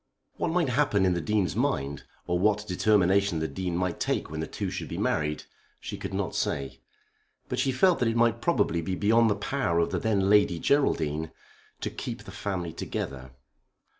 What might happen in the Dean's mind, or what determination the Dean might take when the two should be married, she could not say. But she felt that it might probably be beyond the power of the then Lady Geraldine "to keep the family together."